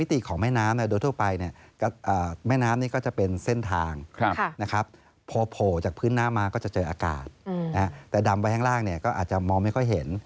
แต่ดำไว้ข้างล่างเนี่ยก็อาจจะมองไม่ค่อยเห็น